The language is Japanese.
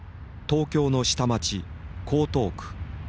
東京の下町江東区。